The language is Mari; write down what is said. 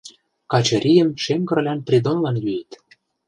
Качырийым Шем Кырлян Придонлан йӱыт...